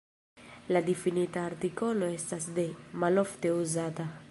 La difinita artikolo estas "de", malofte uzata.